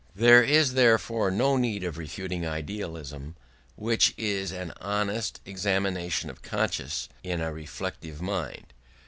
There is therefore no need of refuting idealism, which is an honest examination of conscience in a reflective mind.